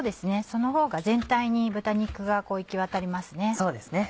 そのほうが全体に豚肉が行きわたりますね。